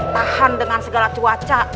tahan dengan segala cuaca